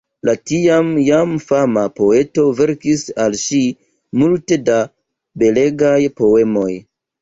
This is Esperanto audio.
La tiam jam fama poeto verkis al ŝi multe da belegaj poemoj.